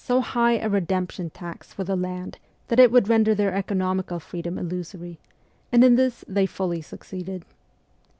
so high a redemption tax for the land that it would render their economical freedom illusory; and in this they fully succeeded.